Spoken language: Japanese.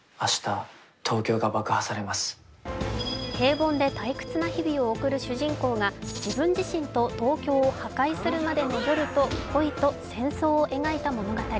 平凡で退屈な日々を送る主人公が自分自身と東京を破壊するまでの夜と恋と戦争を描いた物語。